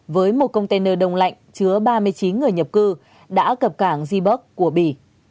với một container đông lạnh chứa ba mươi chín người nhập cư đã cập cảng ziburg của bỉ